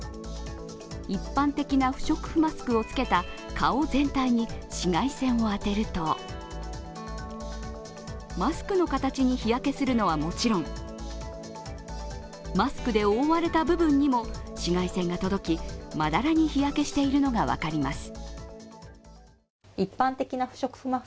一般的な不織布マスクをつけた顔全体に紫外線を当てると、マスクの形に日焼けするのはもちろんマスクで覆われた部分にも紫外線が届き、まだらに日焼けしているのが分かります。